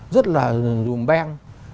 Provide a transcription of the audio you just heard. rất là dùng bang